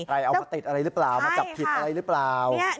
เอามาติดอะไรหรือเปล่ามาจับผิดอะไรหรือเปล่า